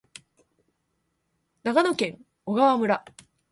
長野県小川村